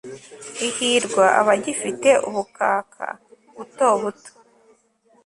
ihirwa abagifite ubukaka buto buto